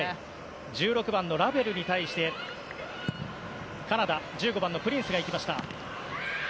１６番のラベルに対してカナダ、１５番のプリンスがいきました。